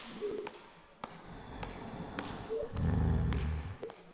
imeonekana kama mikataba hii imekuwa ikishindwa kwa sababu bado watu wanalalamikia